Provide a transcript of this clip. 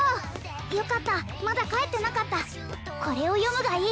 よかったまだ帰ってなかったこれを読むがいい